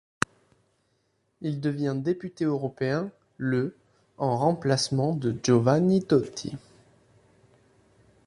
Il devient député européen le en remplacement de Giovanni Toti.